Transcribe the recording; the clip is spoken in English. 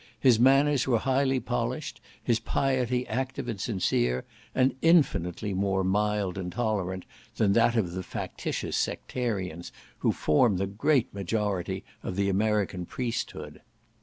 His manners were highly polished; his piety active and sincere, and infinitely more mild and tolerant than that of the factious Sectarians who form the great majority of the American priesthood.